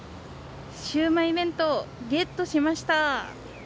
シウマイ弁当、ゲットしました。